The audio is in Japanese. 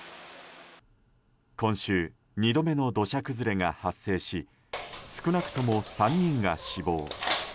今週、２度目の土砂崩れが発生し少なくとも３人が死亡。